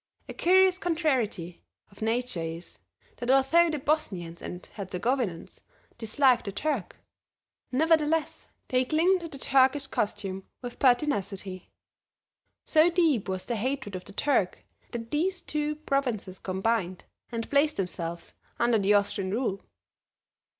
A curious contrariety of nature is, that although the Bosnians and Herzegovians dislike the Turk, nevertheless they cling to the Turkish costume with pertinacity. So deep was their hatred of the Turk that these two provinces combined and placed themselves under the Austrian rule.